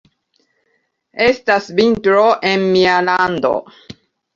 Estas vintro en mia lando.